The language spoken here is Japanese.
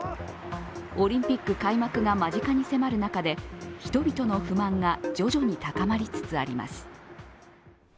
オリンピック開幕が間近に迫る中で、人々の不安が徐々に高まりつつあります。